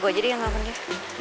gue aja deh yang nelfon dia